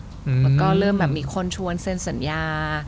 แล้วก็เริ่มแบบมีคนชวนเซ็นสัญญา